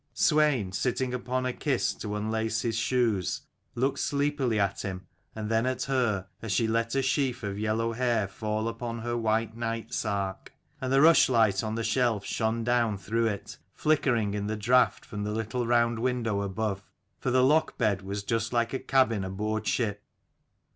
Swein, sitting upon a kist to unlace his shoes, looked sleepily at him, and then at her, as she let a sheaf of yellow hair fall upon her white night sark : and the rushlight on the shelf shone down through it, flickering in the draught from the little round window above: for the lock bed was just like a cabin aboard ship.